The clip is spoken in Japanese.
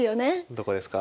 どこですか？